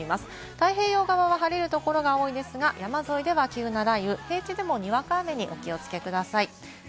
太平洋側は晴れるところが多いですが、山沿いでは急な雷雨、平地でもにわか雨にご注意ください。